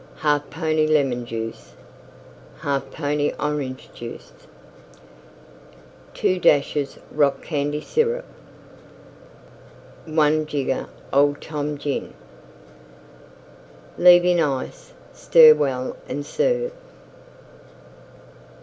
1/2 pony Lemon Juice. 1/2 pony Orange Juice. 2 dashes Rock Candy Syrup. 1 jigger Old Tom Gin. Leave in Ice; stir well and serve.